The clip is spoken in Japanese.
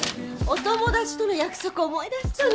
お友達との約束思い出したのよ。